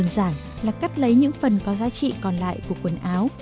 tài chế thời trang đơn giản là cắt lấy những phần có giá trị còn lại của quần áo